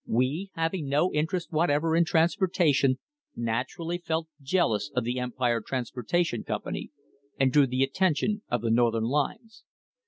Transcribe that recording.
We, having no interest whatever in transportation * naturally felt jealous of the Empire Transportation Company, and drew the attention of the north ern lines.